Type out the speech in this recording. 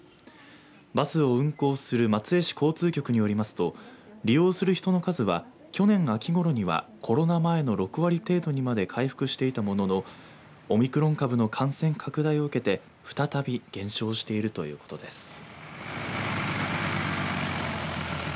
バスを運行する松江市交通局によりますと利用する人の数は去年の秋頃にはコロナ前の６割程度までに回復していたもののオミクロン株の感染拡大を受けて再び減少しているということです。